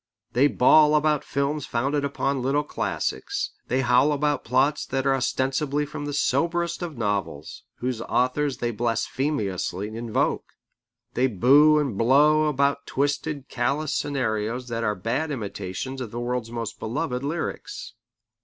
They bawl about films founded upon little classics. They howl about plots that are ostensibly from the soberest of novels, whose authors they blasphemously invoke. They boo and blow about twisted, callous scenarios that are bad imitations of the world's most beloved lyrics.